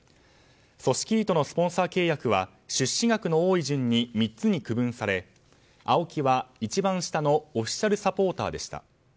組織委とのスポンサー契約は出資額が多い順に３つに区分されＡＯＫＩは一番下のオフィシャルサポーターでした。